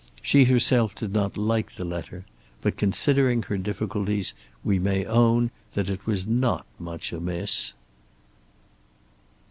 She herself did not like the letter; but, considering her difficulties, we may own that it was not much amiss.